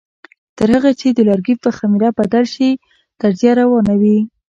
تر هغه چې د لرګي په خمېره بدل شي تجزیه روانه وي.